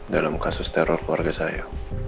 dalam kasus teror keluarga saya